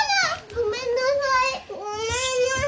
ごめんなさい。